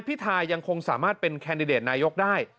พิทายังคงสามารถเป็นแคนดิเดตนายกได้